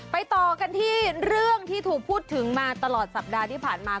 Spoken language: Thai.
ต่อกันที่เรื่องที่ถูกพูดถึงมาตลอดสัปดาห์ที่ผ่านมา